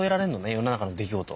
世の中の出来事を。